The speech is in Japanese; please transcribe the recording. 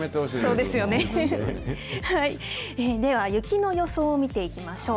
では、雪の予想を見ていきましょう。